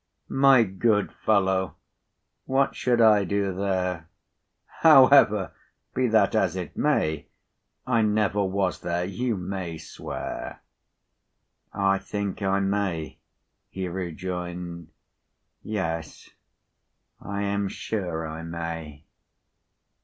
"My good fellow, what should I do there? However, be that as it may, I never was there, you may swear." "I think I may," he rejoined. "Yes. I am sure I may."